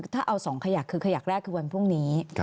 ถ้าเอา๒ขยักคือขยักแรกคือวันพรุ่งนี้